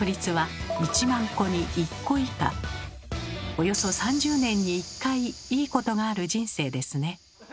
およそ３０年に１回いいことがある人生ですね。